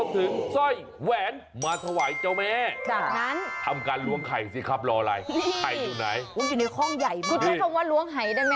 คุณเข้าคำว่าล้วงไห่ได้ไหมคะหรือถึงภัง